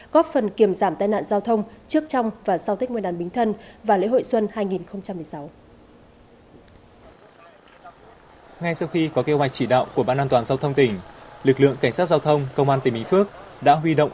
góp phần kiềm giảm tai nạn giao thông trước trong và sau tết nguyên đán bính thân và lễ hội xuân hai nghìn một mươi sáu